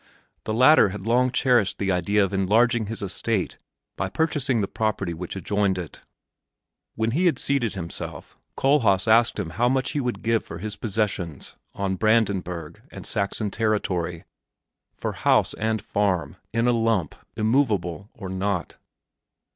The latter had long cherished the idea of enlarging his estate by purchasing the property which adjoined it. When he had seated himself Kohlhaas asked him how much he would give for his possessions on Brandenburg and Saxon territory, for house and farm, in a lump, immovable or not.